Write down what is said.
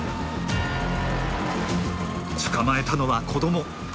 捕まえたのは子ども。